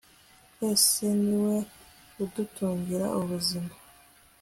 twese ni we udutungira ubuzima